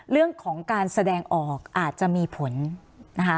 เรื่องของการแสดงออกอาจจะมีผลนะคะ